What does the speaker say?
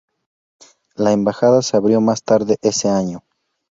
La embajada se abrió más tarde ese año.